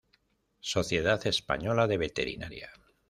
Sociedad Española de Veterinaria